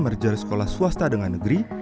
merger sekolah swasta dengan negeri